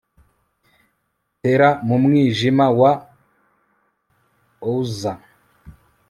Tera mu mwijima wa Auser